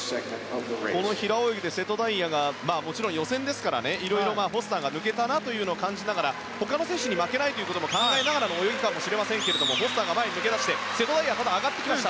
平泳ぎで瀬戸大也がもちろん、予選ですからいろいろフォスターが抜けたなというのを感じながら他の選手に負けないということを考えながらの泳ぎかもしれませんがフォスターが前に抜け出しましたが瀬戸大也、上がってきました。